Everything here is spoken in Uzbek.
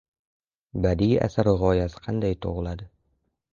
Badiiy asar gʻoyasi qanday tugʻiladi?